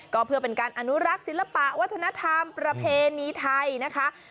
ก็เพื่อเป็นการอนุรักษ์ศิลปะวัฒนธรรมประเพณีไทยนะคะ